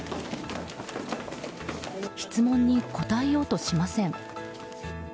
質問に答えようとしません。